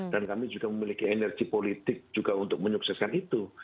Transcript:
dan kami juga memiliki energi politik juga untuk menyukseskan itu